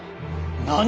何！